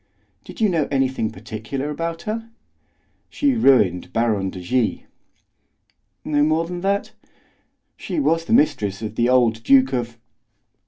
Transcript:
"Do you know anything particular about her?" "She ruined Baron de G." "No more than that?" "She was the mistress of the old Duke of..."